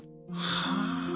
はあ。